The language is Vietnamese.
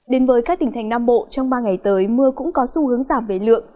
đến với các tỉnh thành nam bộ trong ba ngày tới mưa cũng có xu hướng giảm về lượng